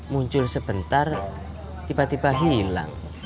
muncul sebentar tiba tiba hilang